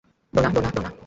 Dona, Dona, Dona.